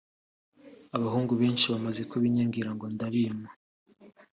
abahungu benshi bamaze kubinyangira ngo ndabima